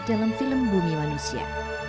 dalam film bumi manusia